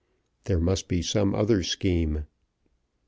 There must be some other scheme.